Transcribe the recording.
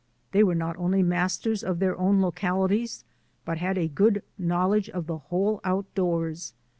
They were not only masters of their own localities but had a good knowledge of the whole outdoors.